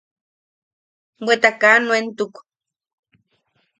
Bweta kaa nuentuk.